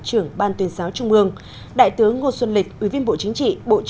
trưởng ban tuyên giáo trung mương đại tướng ngô xuân lịch